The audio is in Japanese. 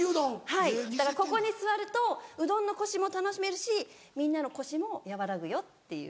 はいだからここに座るとうどんのコシも楽しめるしみんなの腰も和らぐよっていう。